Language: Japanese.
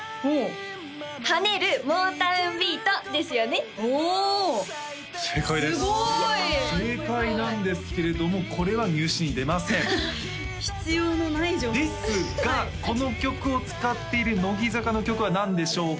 跳ねるモータウン・ビートですよねおすごい正解です正解なんですけれどもこれは入試に出ません必要のない情報ですがこの曲を使っている乃木坂の曲は何でしょうか？